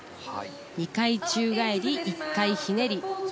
２回宙返り１回ひねり。